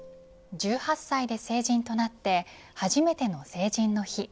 １８歳で成人となって初めての成人の日。